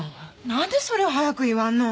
何でそれを早く言わんの。